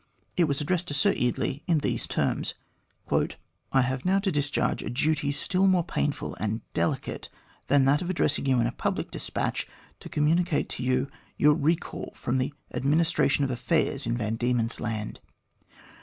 It was addressed to Sir Eardley Wilmot in these terms :" I have now to discharge a duty still more painful and delicate than that of addressing you in a public despatch to communicate to you your recall from the administration of affairs in Van Diemen's Land.